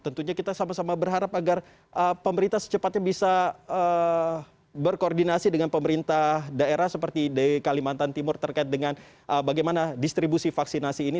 tentunya kita sama sama berharap agar pemerintah secepatnya bisa berkoordinasi dengan pemerintah daerah seperti di kalimantan timur terkait dengan bagaimana distribusi vaksinasi ini